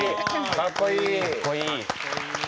かっこいい。